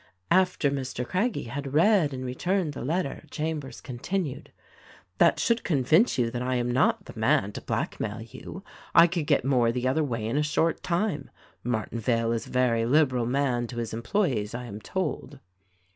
After Mr. Craggie had read and returned the letter Chambers continued, "That should convince you that I am not the man to blackmail you ; I could get more the other way in a short time ; Martinvale is a very liberal man to his employes, I am told."